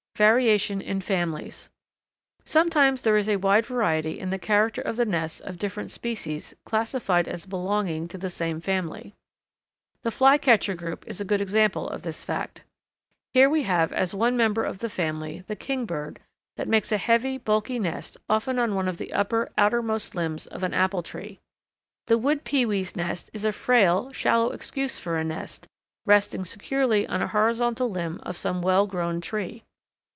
Variation in Families. Sometimes there is wide variety in the character of the nests of different species classified as belonging to the same family. The Flycatcher group is a good example of this fact. Here we have as one member of the family the Kingbird, that makes a heavy bulky nest often on one of the upper, outermost limbs of an apple tree. The Wood Pewee's nest is a frail, shallow excuse for a nest, resting securely on a horizontal limb of some well grown tree.